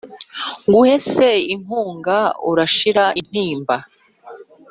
Nguhe se Inkungu urashira intimba